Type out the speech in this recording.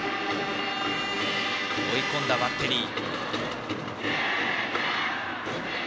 追い込んだバッテリー。